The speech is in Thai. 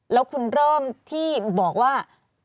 แล้วคุณเริ่มที่บอกว่า